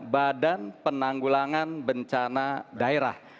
badan penanggulangan bencana daerah